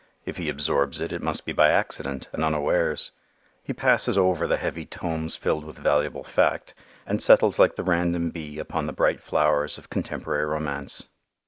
If he absorbs it, it must be by accident, and unawares. He passes over the heavy tomes filled with valuable fact, and settles like the random bee upon the bright flowers of contemporary romance.